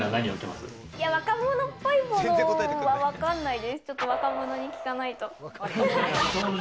若者っぽいものは、わからないです。